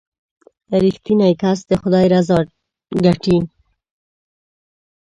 • رښتینی کس د خدای رضا ګټي.